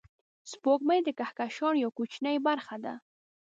سپوږمۍ د کهکشان یوه کوچنۍ برخه ده